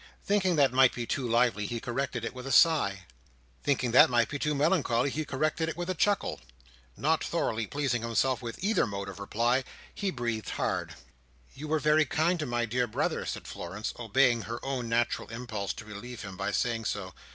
Thinking that might be too lively, he corrected it with a sigh. Thinking that might be too melancholy, he corrected it with a chuckle. Not thoroughly pleasing himself with either mode of reply, he breathed hard. "You were very kind to my dear brother," said Florence, obeying her own natural impulse to relieve him by saying so.